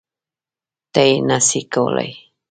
ته یی نه سی کولای